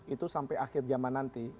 itu sampai akhir zaman nanti